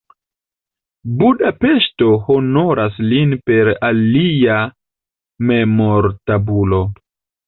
Budapeŝto honoras lin per alia memortabulo.